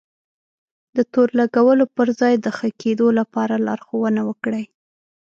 د تور لګولو پر ځای د ښه کېدو لپاره لارښونه وکړئ.